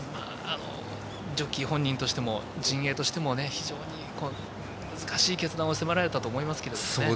ジョッキー本人としても陣営としても非常に難しい決断を迫られたと思いますけどね。